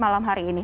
malam hari ini